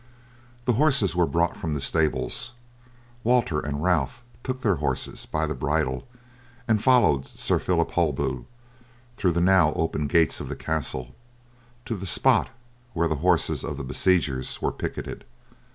The horses were brought from the stables. Walter and Ralph took their horses by the bridle, and followed Sir Phillip Holbeaut through the now open gates of the castle to the spot where the horses of the besiegers were picketed.